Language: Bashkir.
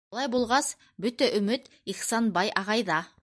Былай булғас, бөтә өмөт Ихсанбай ағайҙа.